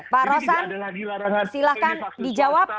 pak rosan silahkan dijawab